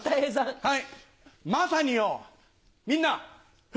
はい！